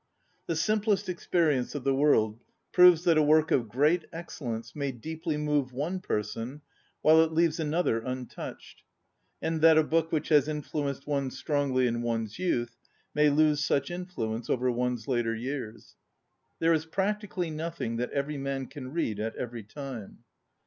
The simplest experience of the worid proves that a work of great excellence may deeply move one person, while it leaves another un touched; and that a book which has influenced one strongly in one's youth may lose such influence over one's later years. There is practi cally nothing that every man can read at every time.